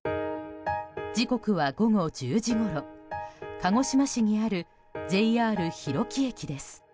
時刻は午後１０時ごろ鹿児島市にあるＪＲ広木駅です。